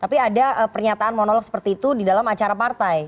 tapi ada pernyataan monolog seperti itu di dalam acara partai